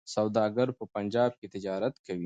سوداګر په پنجاب کي تجارت کوي.